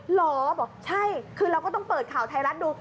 เหรอบอกใช่คือเราก็ต้องเปิดข่าวไทยรัฐดู